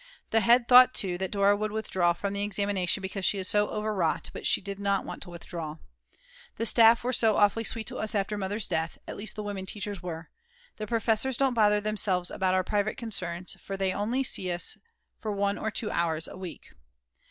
The head thought too that Dora would withdraw from the examination because she is so overwrought, but she did not want to withdraw. The staff were so awfully sweet to us after Mother's death, at least the women teachers were. The professors don't bother themselves about our private concerns, for they only see us for 1 or 2 hours a week.